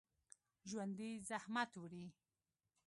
ژوندي زحمت وړي